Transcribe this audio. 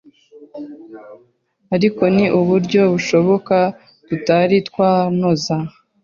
ariko ni uburyo bushoboka tutari twanoza